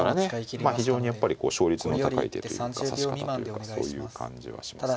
まあ非常にやっぱりこう勝率の高い手というか指し方というかそういう感じはしますね。